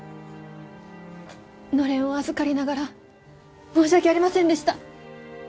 のれんを預かりながら申し訳ありませんでした。